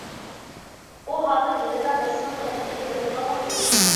ئۇ ھازىر يېنىدا بىرسىنىڭ كەملىكىنى بىلىپ قالغان ئىدى.